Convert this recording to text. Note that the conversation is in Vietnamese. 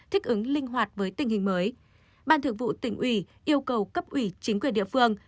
thích ứng linh hoạt với tình hình mới ban thường vụ tỉnh ủy yêu cầu cấp ủy chính quyền địa phương